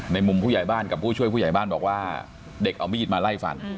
มุมผู้ใหญ่บ้านกับผู้ช่วยผู้ใหญ่บ้านบอกว่าเด็กเอามีดมาไล่ฟัน